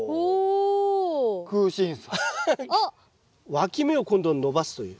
わき芽を今度伸ばすという。